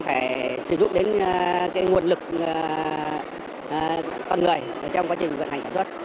phải sử dụng đến nguồn lực toàn người trong quá trình vận hành sản xuất